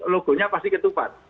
logonya pasti ketupat